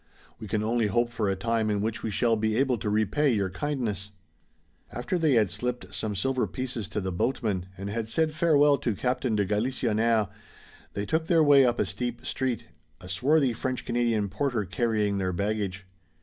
We can only hope for a time in which we shall be able to repay your kindness." After they had slipped some silver pieces to the boatmen and had said farewell to Captain de Galisonnière, they took their way up a steep street, a swarthy French Canadian porter carrying their baggage.